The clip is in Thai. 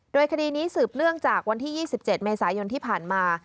โดยคดีนี้สืบเนื่องจากวันที่๒๗เมษายนที่ผ่านมา